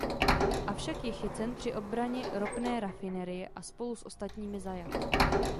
Avšak je chycen při obraně ropné rafinerie a spolu s ostatními zajat.